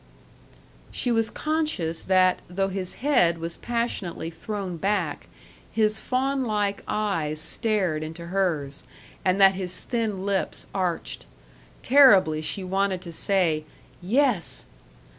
She was conscious that, though his head was passionately thrown back, his faunlike eyes stared into hers, and that his thin lips arched. Terribly she wanted to say, "Yes!"